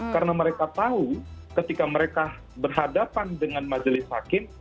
karena mereka tahu ketika mereka berhadapan dengan majelis hakim